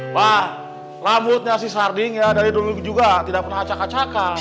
wah rambutnya si sarding ya dari dulu juga tidak pernah acak acakan